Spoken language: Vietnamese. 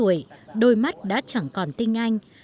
ngoài sáu mươi tuổi đôi mắt đã chẳng còn tinh anh